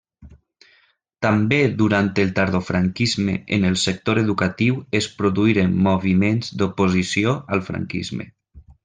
També durant el tardofranquisme en el sector educatiu es produïren moviments d'oposició al franquisme.